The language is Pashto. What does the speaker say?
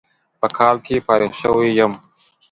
په کال کې فارغ شوى يم.